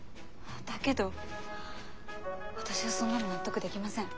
だけど私はそんなの納得できません。